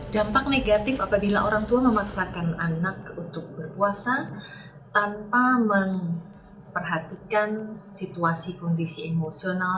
dampak negatif apabila orang tua memaksakan anak untuk berpuasa tanpa memperhatikan situasi kondisi emosional